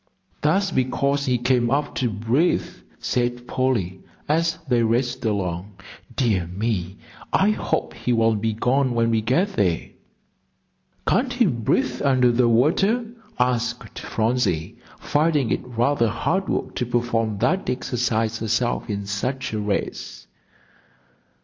"That's because he came up to breathe," said Polly, as they raced along. "Dear me, I hope he won't be gone when we get there." "Can't he breathe under the water?" asked Phronsie, finding it rather hard work to perform that exercise herself in such a race.